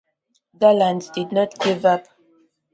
Galland did not give up.